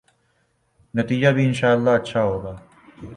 نتیجہ بھی انشاء اﷲ اچھا ہو گا۔